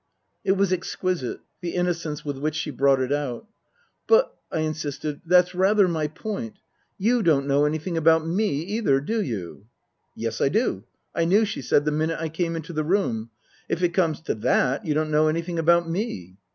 It was exquisite, the innocence with which she brought it out. " But," I insisted, " that's rather my point. You don't know anything about me either, do you ?"" Yes, I do. I knew," she said, " the minute I came into the room. If it comes to that, you don't know anything about me."